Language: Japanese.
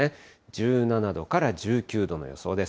１７度から１９度の予想です。